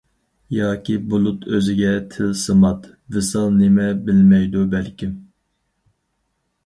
ياكى بۇلۇت ئۆزگە تىلسىمات، ۋىسال نېمە بىلمەيدۇ بەلكىم.